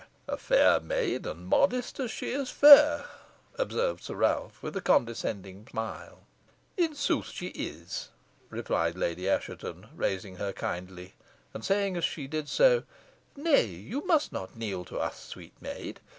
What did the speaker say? "A fair maid, and modest as she is fair," observed Sir Ralph, with a condescending smile. "In sooth is she," replied Lady Assheton, raising her kindly, and saying, as she did so "Nay, you must not kneel to us, sweet maid.